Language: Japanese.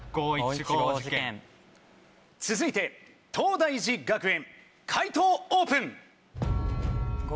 続いて東大寺学園解答オープン！